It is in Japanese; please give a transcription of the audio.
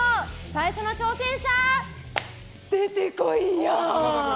最初の挑戦者、出てこいや！